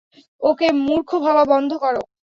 ওকে মূর্খ ভাবা বন্ধ কর!